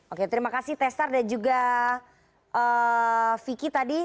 oke terima kasih tesar dan juga vicky tadi